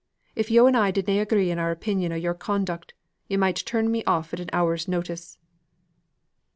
If yo' and I did na agree in our opinion o' your conduct, yo' might turn me off at an hour's notice."